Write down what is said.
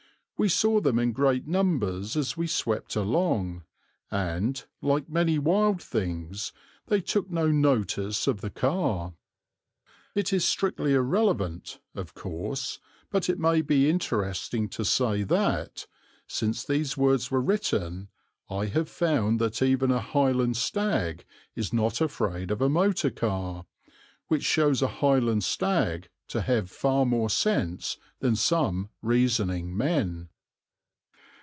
We saw them in great numbers as we swept along, and, like many wild things, they took no notice of the car. It is strictly irrelevant, of course, but it may be interesting to say that, since these words were written, I have found that even a Highland stag is not afraid of a motor car, which shows a Highland stag to have far more sense than some reasoning men.